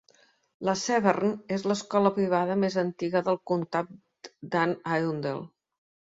La Severn és l'escola privada més antiga del comtat d'Anne Arundel.